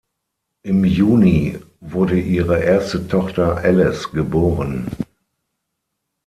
Im Juni wurde ihre erste Tochter Alice geboren.